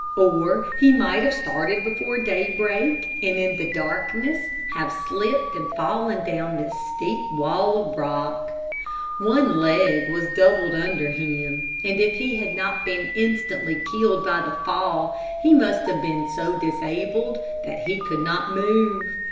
Or he might have started before daybreak, and in the darkness have slipped and fallen down this steep wall of rock. One leg was doubled under him, and if he had not been instantly killed by the fall, he must have been so disabled that he could not move.